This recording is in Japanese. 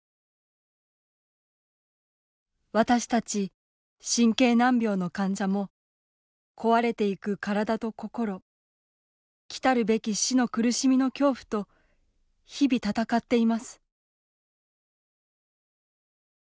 「私達、神経難病の患者も壊れていく体と心、来たるべき死の苦しみの恐怖と日々戦っています」。